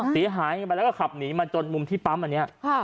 เสียหายกันไปแล้วก็ขับหนีมาจนมุมที่ปั๊มอันนี้